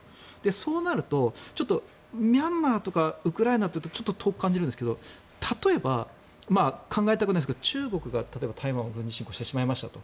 そうなるとミャンマーとかウクライナというと遠く感じるんですけど例えば、考えたくないですが中国が台湾を軍事進攻してしまいましたと。